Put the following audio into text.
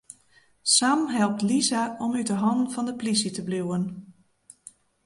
Sam helpt Lisa om út 'e hannen fan de plysje te bliuwen.